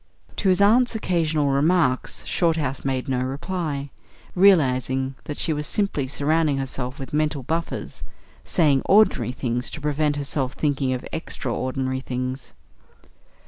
To his aunt's occasional remarks Shorthouse made no reply, realising that she was simply surrounding herself with mental buffers saying ordinary things to prevent herself thinking of extra ordinary things.